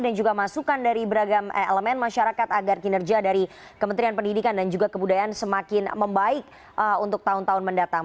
dan juga masukan dari beragam elemen masyarakat agar kinerja dari kementerian pendidikan dan juga kebudayaan semakin membaik untuk tahun tahun mendatang